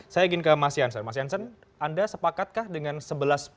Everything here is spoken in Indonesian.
saya ke mas janssen mas janssen anda sepakatkah dengan sebuah poin yang tersebut